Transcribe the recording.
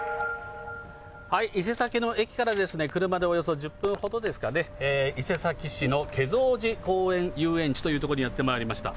伊勢崎の駅から車でおよそ１０分ほどですかね、伊勢崎市の華蔵寺公園遊園地という所にやってまいりました。